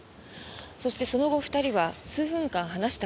そして、その後２人は数分間話した